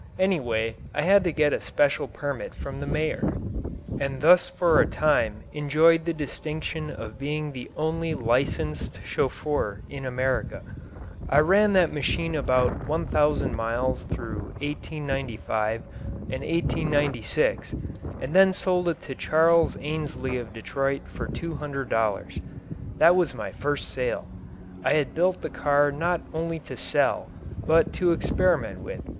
Anyway, I had to get a special permit from the mayor and thus for a time enjoyed the distinction of being the only licensed chauffeur in America. I ran that machine about one thousand miles through 1895 and 1896 and then sold it to Charles Ainsley of Detroit for two hundred dollars. That was my first sale. I had built the car not to sell but only to experiment with.